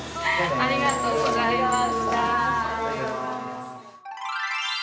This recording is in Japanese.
ありがとうございます。